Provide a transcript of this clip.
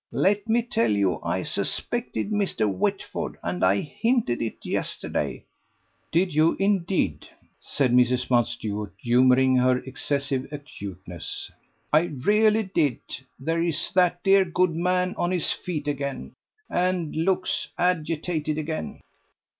Let me tell you I suspected Mr. Whitford, and I hinted it yesterday." "Did you indeed!" said Mrs. Mountstuart, humouring her excessive acuteness. "I really did. There is that dear good man on his feet again. And looks agitated again."